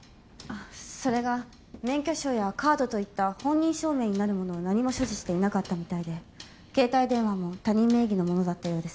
それが免許証やカードといった本人証明になるものを何も所持していなかったみたいで携帯電話も他人名義のものだったようです